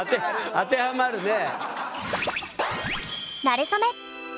当てはまるね。